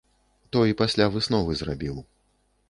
Той пасля высновы зрабіў.